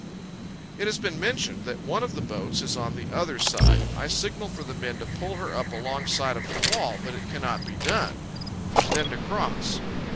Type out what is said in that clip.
It has been mentioned that one of the boats is on the other side. I signal for the men to pull her up alongside of the wall, but it cannot be done; then to cross.